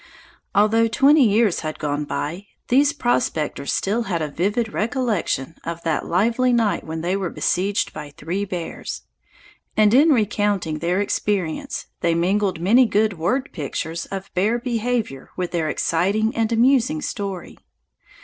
Although twenty years had gone by, these prospectors still had a vivid recollection of that lively night when they were besieged by three bears, and in recounting the experience they mingled many good word pictures of bear behavior with their exciting and amusing story.